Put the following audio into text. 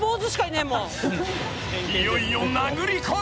［いよいよ殴り込み］